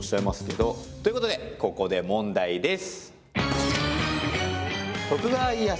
ということでここで問題です！